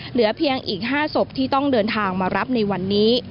เหลือเพียงอีก๕ศพที่ต้องเดินทางมารับในวันนี้